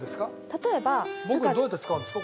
僕がどうやって使うんですか？